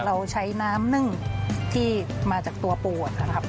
เราใช้น้ำนึ่งที่มาจากตัวปูดนะครับ